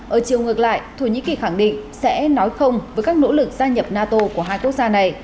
ở chiều ngược lại thổ nhĩ kỳ khẳng định sẽ nói không với các nỗ lực gia nhập nato của hai quốc gia này